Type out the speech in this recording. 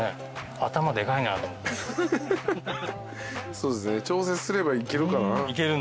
そうですね調節すればいけるかな。